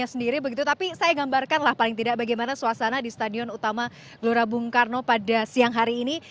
waktunya sendiri begitu tapi saya gambarkan lah paling tidak bagaimana suasana di stadion utama gbk pada siang hari ini